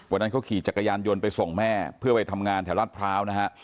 วันนั้นเขาขี่จักรยานยนต์ไปส่งแม่เพื่อไปทำงานแถวรัฐพร้าวนะฮะ